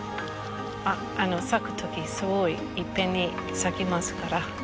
あの咲く時すごいいっぺんに咲きますから。